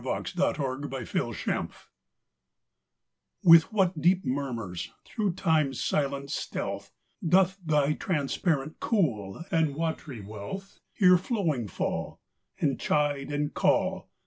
328 The Waterfall J^ J0^ With what deep murmurs, throuii^li Time's silent steahh, Dost thy transparent, cool, and watery wealth Here flowing fall, And chide and call.